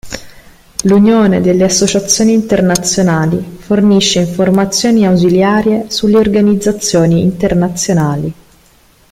L'Unione delle associazioni internazionali fornisce informazioni ausiliarie sulle organizzazioni internazionali.